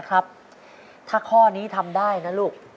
ครับถ้าข้อนี้ทำได้นะลูก